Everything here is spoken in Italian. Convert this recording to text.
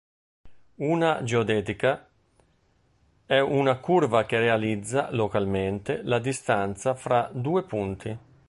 Una geodetica è una curva che realizza localmente la distanza fra due punti.